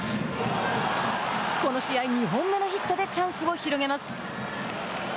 この試合２本目のヒットでチャンスを広げます。